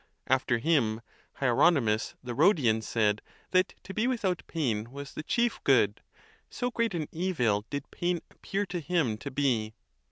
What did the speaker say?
After him Hieronymus the Rhodian said, that to be with out pain was the chief good, so great an evil did pain ap pear to him to be.